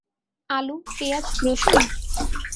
আলু, পেঁয়াজ, রসুন?